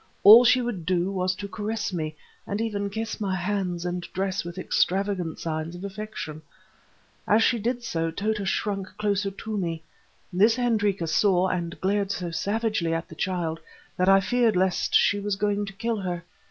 All she would do was to caress me, and even kiss my hands and dress with extravagant signs of affection. As she did so, Tota shrunk closer to me. This Hendrika saw and glared so savagely at the child that I feared lest she was going to kill her.